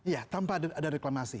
iya tanpa ada reklamasi